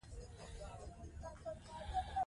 که تاوان مو وکړ بیا هڅه وکړئ.